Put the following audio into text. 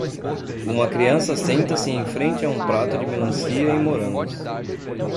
Uma criança senta-se em frente a um prato de melancia e morangos.